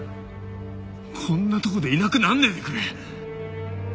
こんなとこでいなくならねえでくれ。